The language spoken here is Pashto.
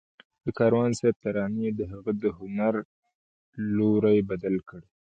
د کاروان صاحب ترانې د هغه د هنر لوری بدل کړ